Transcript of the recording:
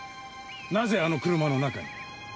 なぜあの車の中に？